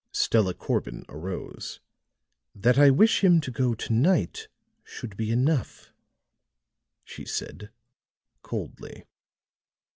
Stella Corbin arose. "That I wish him to go to night should be enough," she said, coldly.